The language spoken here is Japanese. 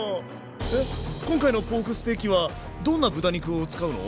えっ今回のポークステーキはどんな豚肉を使うの？